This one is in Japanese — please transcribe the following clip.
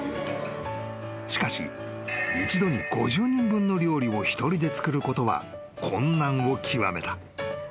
［しかし一度に５０人分の料理を一人で作ることは困難を極めた］